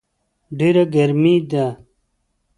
ډېره ګرمي ده